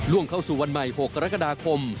เข้าสู่วันใหม่๖กรกฎาคม